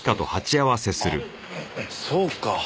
あっそうか。